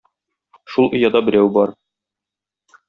Шул ояда берәү бар.